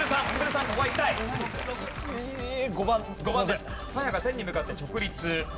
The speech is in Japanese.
さやが天に向かって直立。